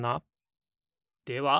では